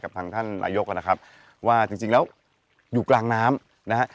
ทางท่านนายกนะครับว่าจริงแล้วอยู่กลางน้ำนะฮะ